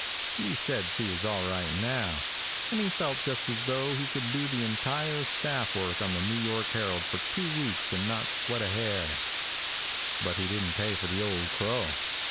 He said she was all right now, and he felt just as though he could do the entire staff work on the New York Herald for two weeks and not sweat a hair. But he didn't pay for the Old Crow.